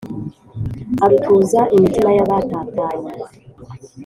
Arutuza imitima y'abatatanye